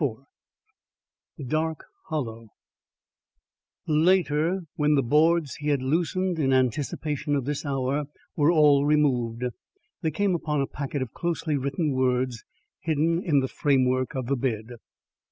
XXXIV DARK HOLLOW Later, when the boards he had loosened in anticipation of this hour were all removed, they came upon a packet of closely written words hidden in the framework of the bed.